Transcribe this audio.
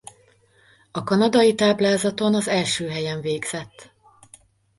A kanadai táblázaton az első helyen végzett.